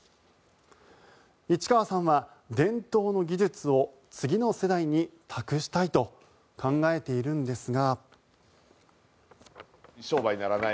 市川さんは伝統の技術を次の世代に託したいと考えているんですが。